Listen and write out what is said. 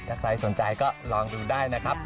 ถ้าใครสนใจก็ลองดูได้นะครับ